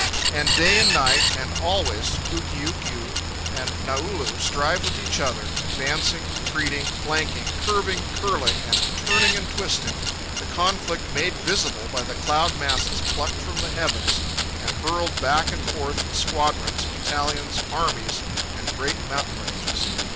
And day and night and always Ukiukiu and Naulu strive with each other, advancing, retreating, flanking, curving, curling, and turning and twisting, the conflict made visible by the cloud masses plucked from the heavens and hurled back and forth in squadrons, battalions, armies, and great mountain ranges.